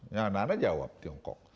nah mana jawab tiongkok